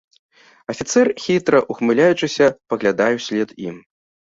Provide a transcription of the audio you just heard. Афіцэр, хітра ўхмыляючыся, паглядае ўслед ім.